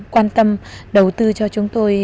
quan tâm đầu tư cho chúng tôi